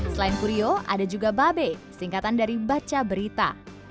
selain kuryo ada juga babe singkatan dari baca berita